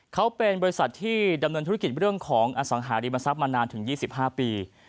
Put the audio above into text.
เขาเป็นบริษัทที่ดำเนินธุรกิจเรื่องของอสังหาริมทรัพย์มานานถึง๒๕ปี